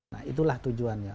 nah itulah tujuannya